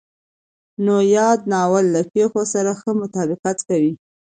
نو ياد ناول له پېښو سره ښه مطابقت کوي.